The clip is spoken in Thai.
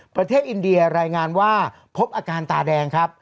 ประเทศอินเดียรายงานว่าพบอาการตาแดงครับ